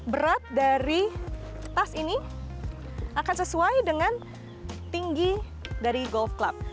berat dari tas ini akan sesuai dengan tinggi dari golf club